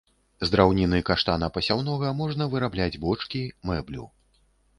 З драўніны каштана пасяўнога можна вырабляць бочкі, мэблю.